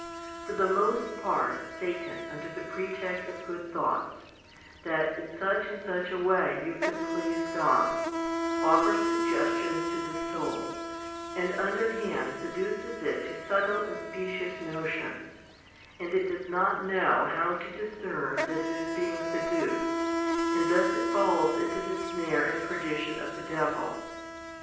For the most part, Satan, under pretext of good thoughts, that in such and such a way you can please God, offers suggestions to the soul, and underhand seduces it to subtle and specious notions, and it does not know how to discern that it is being seduced, and thus it falls into the snare and perdition of the devil.